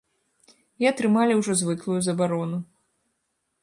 І атрымалі ўжо звыклую забарону.